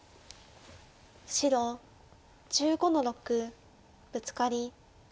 白１５の六ブツカリ。